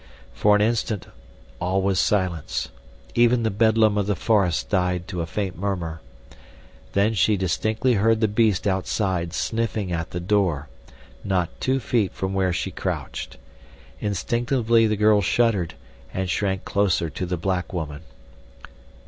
For an instant, all was silence; even the bedlam of the forest died to a faint murmur. Then she distinctly heard the beast outside sniffing at the door, not two feet from where she crouched. Instinctively the girl shuddered, and shrank closer to the black woman.